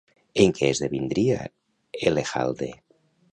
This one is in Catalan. En què esdevindria Elejalde?